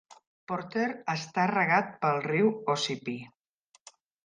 Porter està regat pel riu Ossipee.